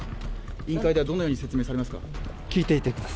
委員会ではどのように説明されますか？